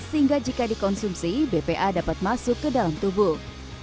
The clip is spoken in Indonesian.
sehingga jika dikonsumsi bpa dapat masuk ke dalam tubuh